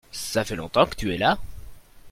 Ça fait longtemps que tu es là ?